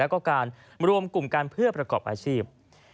แล้วก็การรวมกลุ่มกันเพื่อประกอบอาชีพ